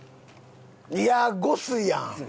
いや悟水やん！